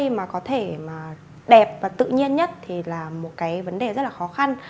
thay một cái cây mà có thể đẹp và tự nhiên nhất thì là một cái vấn đề rất là khó khăn